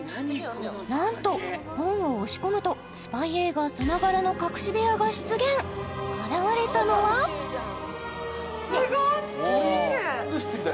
なんと本を押し込むとスパイ映画さながらの隠し部屋が出現現れたのはすごすぎる！